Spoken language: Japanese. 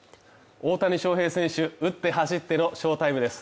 大谷翔平選手打って走っての翔タイムです